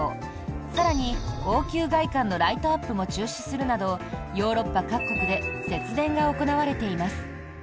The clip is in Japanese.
更に、王宮外観のライトアップも中止するなどヨーロッパ各国で節電が行われています。